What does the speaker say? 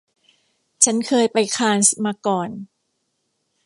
ฉันเคยไปคานส์มาก่อน